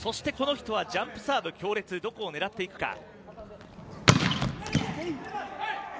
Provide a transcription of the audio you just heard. この人はジャンプサーブ、強烈でどこを狙っていくか。